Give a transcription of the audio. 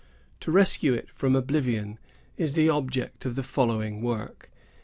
To rescue it from oblivion is the object of the following work.